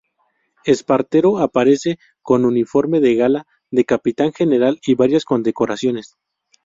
Espartero aparece con uniforme de gala de Capitán General y varias condecoraciones.